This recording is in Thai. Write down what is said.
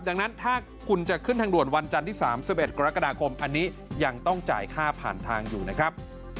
ดังนั้นถ้าคุณจะขึ้นทางด่วนวันจันทร์ที่๓๑กรกฎาคมอันนี้ยังต้องจ่ายค่าผ่านทางอยู่นะครับ